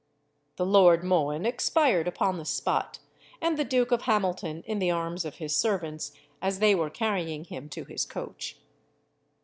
The Lord Mohun expired upon the spot, and the Duke of Hamilton in the arms of his servants as they were carrying him to his coach.